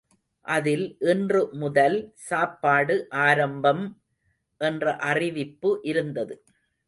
அதில் இன்று முதல் சாப்பாடு ஆரம்பம்! என்ற அறிவிப்பு இருந்தது.